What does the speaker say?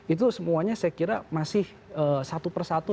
itu semuanya saya kira masih satu persatu